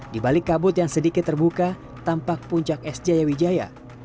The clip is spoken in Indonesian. di balik kabut yang sedikit terbuka tampak puncak es jaya wijaya